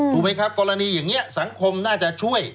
ถูกไหมครับกรณีอย่างนี้สังคมน่าจะช่วย